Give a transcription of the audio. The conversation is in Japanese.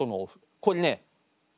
これね頭